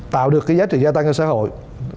tạo được cái giá trị gia tăng cho xã hội